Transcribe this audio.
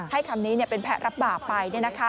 คำนี้เป็นแพ้รับบาปไป